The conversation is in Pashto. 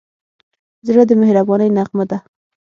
زړه د مهربانۍ نغمه ده.